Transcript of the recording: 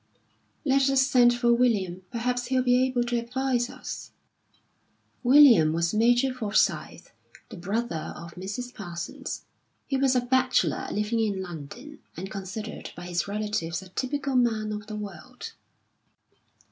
"Let us send for William. Perhaps he'll be able to advise us." William was Major Forsyth, the brother of Mrs. Parsons. He was a bachelor, living in London, and considered by his relatives a typical man of the world.